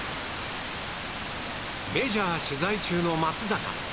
メジャー取材中の松坂。